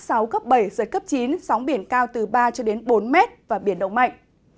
giới cấp bảy giới cấp chín sóng biển cao từ ba bốn mét biển động mạnh